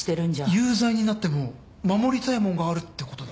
有罪になっても守りたいもんがあるってことだ。